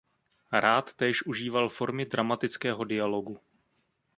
Rád též užíval formy dramatického dialogu.